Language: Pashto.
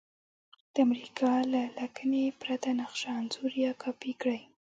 د امریکا له لکنې پرته نقشه انځور یا کاپي کړئ.